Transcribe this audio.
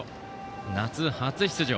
夏初出場。